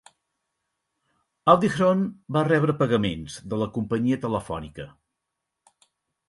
Audichron va rebre pagaments de la companyia telefònica.